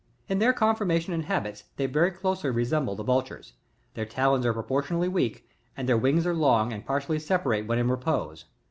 25. In their conformation and habits, they very closely resem ble the Vultures. Theu talons are proportionally weak, and their wings are long and partly separate when in repose.